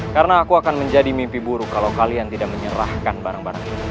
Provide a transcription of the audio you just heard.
karena aku akan menjadi mimpi buruk kalau kalian tidak menyerahkan barang barang ini